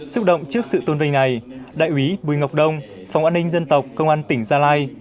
xúc động trước sự tôn vinh này đại úy bùi ngọc đông phòng an ninh dân tộc công an tỉnh gia lai